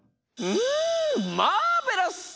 うんマーベラス！